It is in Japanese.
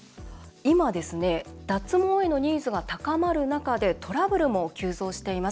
今、脱毛へのニーズが高まる中でトラブルも急増しています。